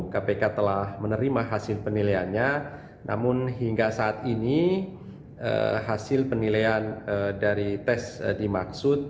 kpk telah menerima hasil penilaiannya namun hingga saat ini hasil penilaian dari tes dimaksud